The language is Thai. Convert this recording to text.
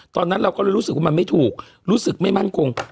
ตอนนั้นเราก็เลยรู้สึกว่ามันไม่ถูกรู้สึกไม่มั่นคง